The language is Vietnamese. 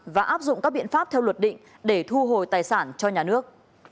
và áp dụng các biện pháp theo luật định để thu hồi tài sản cho nhà nước